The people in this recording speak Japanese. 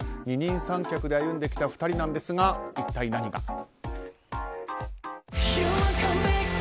二人三脚で歩んできた２人ですが一体、何が。